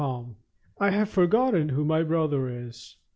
*^ I have forgotten who my brother is.